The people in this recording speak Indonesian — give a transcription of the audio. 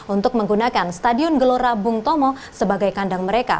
untuk menggunakan stadion gelora bung tomo sebagai kandang mereka